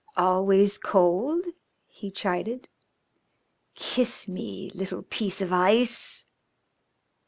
"Always cold?" he chided. "Kiss me, little piece of ice."